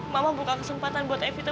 mama buka kesempatan buat evita